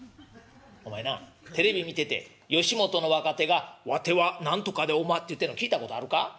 「お前なテレビ見てて吉本の若手が『わては何とかでおま』って言うてんの聞いたことあるか？